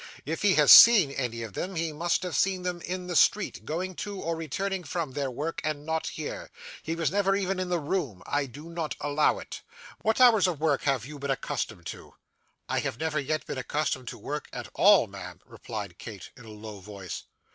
'If he has seen any of them, he must have seen them in the street, going to, or returning from, their work, and not here. He was never even in the room. I do not allow it. What hours of work have you been accustomed to?' 'I have never yet been accustomed to work at all, ma'am,' replied Kate, in a low voice.